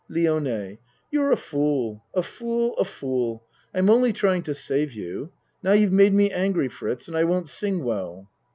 LIONE You're a fool ! a fool a fool ! I'm only trying to save you. Now you've made me angry, Fritz, and I won't sing well.